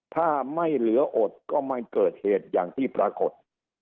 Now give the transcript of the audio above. ถ้าไม่เหลืออดก็มันเกิดเหตุอย่างที่ปรากฏ